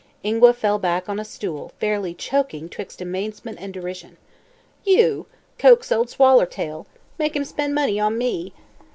Ingua fell back on a stool, fairly choking twixt amazement and derision. "You! Coax Ol' Swallertail? Make him spend money on _me!